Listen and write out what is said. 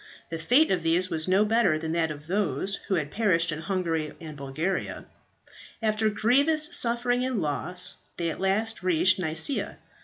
The fate of these was no better than that of those who had perished in Hungary and Bulgaria. After grievous suffering and loss they at last reached Nicaea.